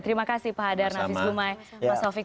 terima kasih pak hadar nafis gumai mas sofieq